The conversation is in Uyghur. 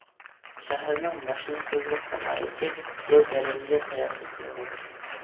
شەھەرنىڭ ماشىنىسازلىق سانائىتى زور دەرىجىدە تەرەققىي قىلغان.